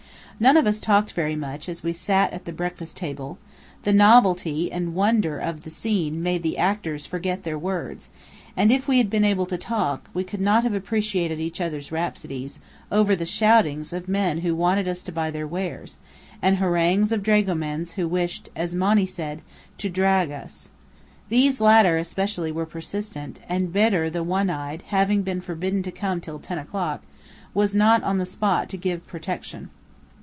None of us talked very much, as we sat at the breakfast table: the novelty and wonder of the scene made the actors forget their words: and if we had been able to talk, we could not have appreciated each other's rhapsodies, over the shoutings of men who wanted us to buy their wares, and harangues of dragomans who wished, as Monny said, to "drag" us. These latter, especially, were persistent, and Bedr the One Eyed, having been forbidden to come till ten o'clock, was not on the spot to give protection.